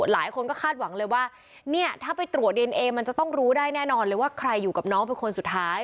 หลายคนก็คาดหวังเลยว่าเนี่ยถ้าไปตรวจดีเอนเอมันจะต้องรู้ได้แน่นอนเลยว่าใครอยู่กับน้องเป็นคนสุดท้าย